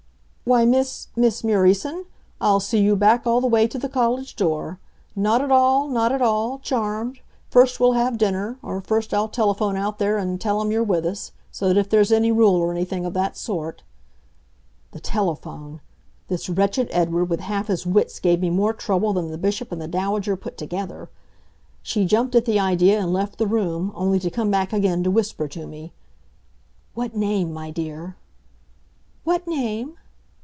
"Why, Miss Miss Murieson, I'll see you back all the way to the college door. Not at all, not at all. Charmed. First, we'll have dinner or, first I'll telephone out there and tell 'em you're with us, so that if there's any rule or anything of that sort " The telephone! This wretched Edward with half his wits gave me more trouble than the Bishop and the Dowager put together. She jumped at the idea, and left the room, only to come back again to whisper to me: "What name, my dear?" "What name?